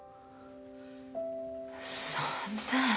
そんな。